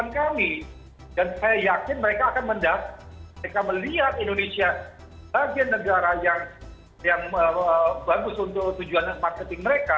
kami yakin mereka akan mendapati mereka melihat indonesia bagian negara yang bagus untuk tujuan marketing mereka